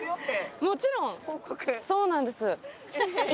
そうなんです。